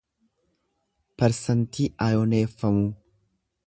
persantii ayoneeffamuu